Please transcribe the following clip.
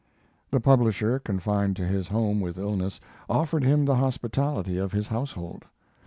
The publisher, confined to his home with illness, offered him the hospitality of his household.